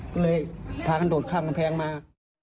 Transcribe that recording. ก็เลยพากันโดดข้ามกำแพงมา